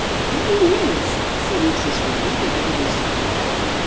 "There he is," said Mrs. Ray, with a little start.